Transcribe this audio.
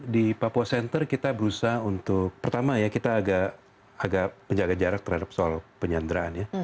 di papua center kita berusaha untuk pertama ya kita agak menjaga jarak terhadap soal penyanderaan ya